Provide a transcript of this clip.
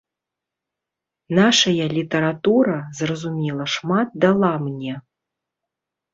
Нашая літаратура, зразумела, шмат дала мне.